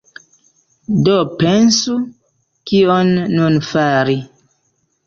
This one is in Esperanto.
Do pensu, kion nun fari.